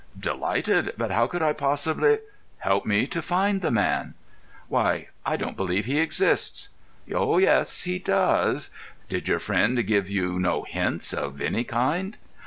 "Delighted. But how could I possibly——" "Help me to find the man." "Why, I don't believe he exists." "Oh, yes, he does." "Did your friend give you no hints—of any kind?"